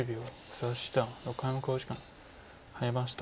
佐田七段６回目の考慮時間に入りました。